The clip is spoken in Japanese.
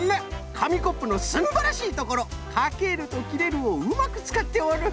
かみコップのすんばらしいところ「かける」と「きれる」をうまくつかっておる。